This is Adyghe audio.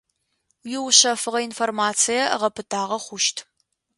Уиушъэфыгъэ информацие гъэпытагъэ хъущт.